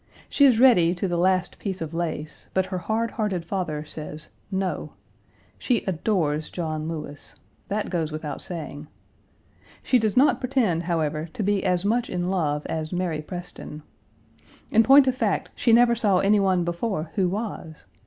She is ready to the last piece of lace, but her hard hearted father says "No." She adores John Lewis. That goes without saying. She does not pretend, however, to be as much in love as Mary Preston. In point of fact, she never saw any one before who was.